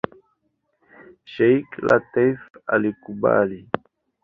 Sheikh Lateef alikubali.